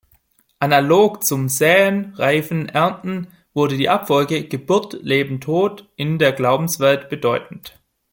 Analog zum "Säen–Reifen–Ernten" wurde die Abfolge "Geburt–Leben–Tod" in der Glaubenswelt bedeutend.